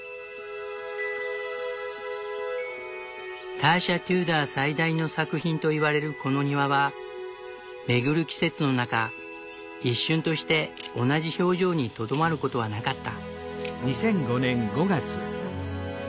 ターシャ・テューダー最大の作品と言われるこの庭は巡る季節の中一瞬として同じ表情にとどまることはなかった。